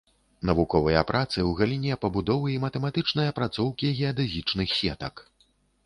Навуковыя працы ў галіне пабудовы і матэматычнай апрацоўкі геадэзічных сетак.